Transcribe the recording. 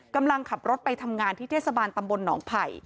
กำลังขับรถไปทำงานที่เทศบาลตำบลหนองไผ่